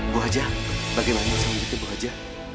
bu aja bagaimana usahamu gitu bu aja